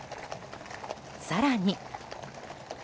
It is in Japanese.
更に。